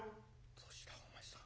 「どうしたお前さん